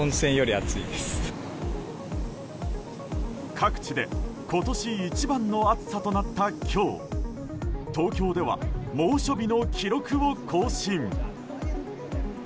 各地で今年一番の暑さとなった今日東京では猛暑日の記録を更新。